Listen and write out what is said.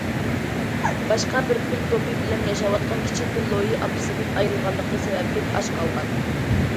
باشقا بىر پىل توپى بىلەن ياشاۋاتقان كىچىك پىل لويى ئاپىسىدىن ئايرىلغانلىقى سەۋەبلىك ئاچ قالغان.